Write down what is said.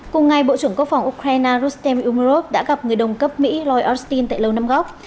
cùng ngày bộ trưởng quốc phòng ukraine rostan umrov đã gặp người đồng cấp mỹ lloyd austin tại lầu năm góc